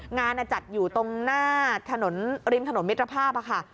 งานจัดอยู่ตรงหน้าถนนริมถนนมิตรภาพค่ะ